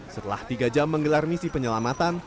setelah tiga jam menggelar misi penyelamatan